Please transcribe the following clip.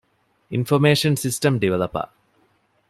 އިންފޮމޭޝަން ސިސްޓަމް ޑިވެލޮޕަރ